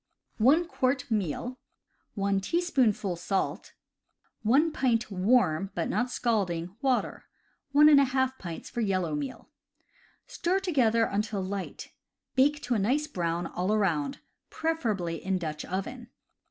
CAMP COOKERY 125 1 quart meal, 1 teaspoonful salt, 1 pint warm (but not scalding) water (1^ pints for yellow meal). Stir together until light. Bake to a nice brown all around, preferably in Dutch oven.